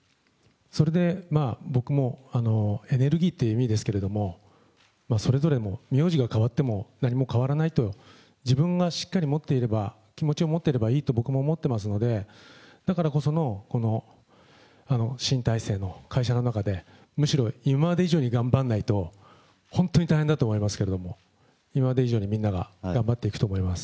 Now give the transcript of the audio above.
それで僕もエネルギーっていう意味ですけれども、それぞれも名字が変わっても何も変わらないと、自分がしっかり持っていれば、気持ちを持っていればいいと僕も思ってますので、だからこその新体制の会社の中で、むしろ今まで以上に頑張らないと、本当に大変だと思いますけれども、今まで以上にみんなが頑張っていくと思います。